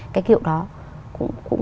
cái kiệu đó cũng